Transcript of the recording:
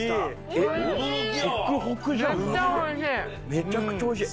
めちゃくちゃ美味しい。